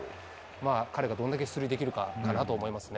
彼がどれだけ出塁できるかなと感じますね。